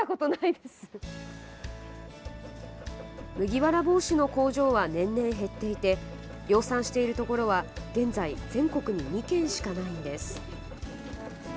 麦わら帽子の工場は年々減っていて量産しているところは現在全国に２軒しかないんです。